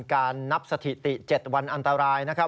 การนับสถิติ๗วันอันตรายนะครับ